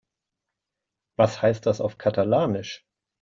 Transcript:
Was heißt das auf Katalanisch?